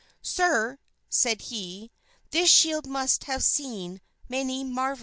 "Sir," said he, "this shield must have seen many marvelous things."